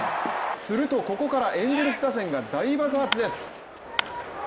するとここから、エンゼルス打線が大爆発です。